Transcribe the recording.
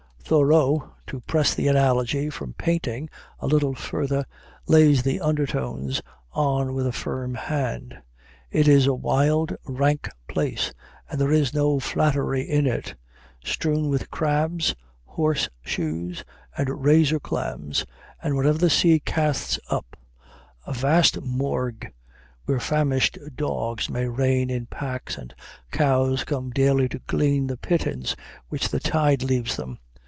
Thoreau, to press the analogy from painting a little further, lays the undertones on with a firm hand: "It is a wild, rank place and there is no flattery in it. Strewn with crabs, horse shoes, and razor clams, and whatever the sea casts up, a vast morgue, where famished dogs may range in packs, and cows come daily to glean the pittance which the tide leaves them.